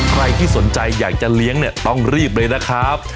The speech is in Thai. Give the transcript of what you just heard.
ใครที่สนใจอยากจะเลี้ยงเนี่ยต้องรีบเลยนะครับ